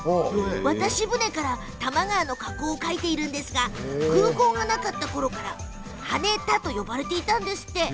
渡し船から多摩川の河口を描いているんですが空港がなかったころから「はねた」と呼ばれていたんですって。